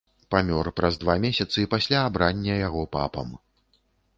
Памёр праз два месяцы пасля абрання яго папам.